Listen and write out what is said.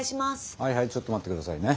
はいはいちょっと待って下さいね。